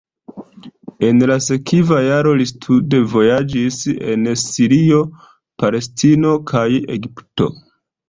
En la sekva jaro li studvojaĝis en Sirio, Palestino kaj Egipto.